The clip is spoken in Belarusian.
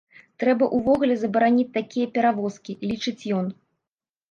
Трэба ўвогуле забараніць такія перавозкі, лічыць ён.